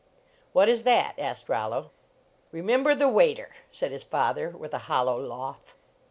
"What is that?" asked Rollo. "Remember the waiter," said his father, with a hollow lawff.